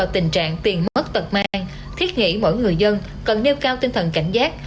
tình trạng tiền mất tật mang thiết nghĩ mỗi người dân cần nêu cao tinh thần cảnh giác